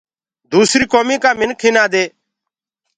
دوسريٚ ڪوميٚ ڪآ منِک اينآ دي